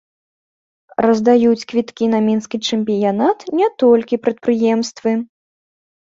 Раздаюць квіткі на мінскі чэмпіянат не толькі прадпрыемствы.